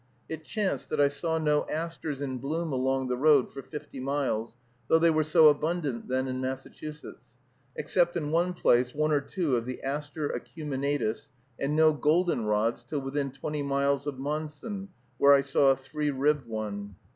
It chanced that I saw no asters in bloom along the road for fifty miles, though they were so abundant then in Massachusetts, except in one place one or two of the Aster acuminatus, and no golden rods till within twenty miles of Monson, where I saw a three ribbed one.